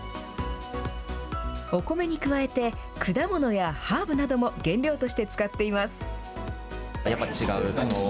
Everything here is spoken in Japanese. お米に加えて果物やハーブなども原料として使っています。